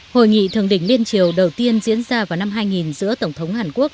hội nghị thượng đỉnh liên triều đầu tiên diễn ra vào năm hai nghìn giữa tổng thống hàn quốc